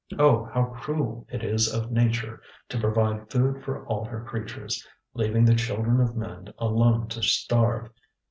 Oh! How cruel it is of nature to provide food for all her creatures, leaving the children of men alone to starve!